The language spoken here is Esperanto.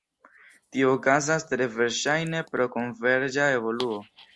Tio okazas tre verŝajne pro konverĝa evoluo.